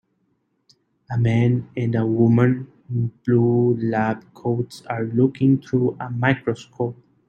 A man and a woman in blue lab coats are looking through a microscope.